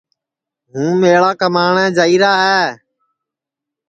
ہُُوں میݪا کُماٹؔیں جائیرا ہے